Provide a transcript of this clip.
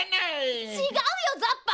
ちがうよザッパ。